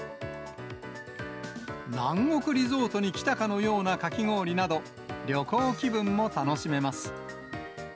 南国リゾートに来たかのようなかき氷など、旅行気分も楽しめます。